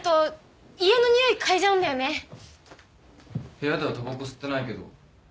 部屋ではたばこ吸ってないけどにおう？